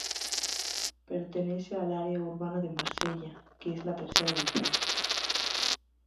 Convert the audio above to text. Pertenece al área urbana de Marsella, que es la tercera del país.